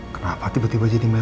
kenapa tiba tiba jadi merah